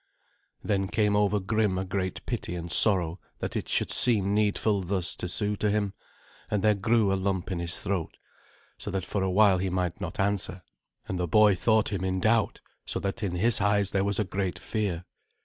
Then came over Grim a great pity and sorrow that it should seem needful thus to sue to him, and there grew a lump in his throat, so that for a while he might not answer, and the boy thought him in doubt, so that in his eyes there was a great fear.